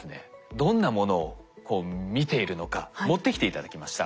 どんなものを見ているのか持ってきて頂きました。